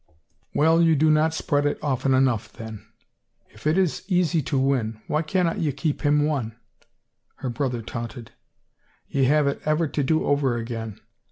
" Well, you do not spread it often enough, then. If it is so easy to win, why cannot ye keep him won ?" her brother taunted. " Ye have it ever to do over again.